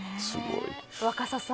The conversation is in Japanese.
若狭さん